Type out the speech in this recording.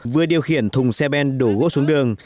vừa điều khiển thùng xe ben đổ gỗ xuống đường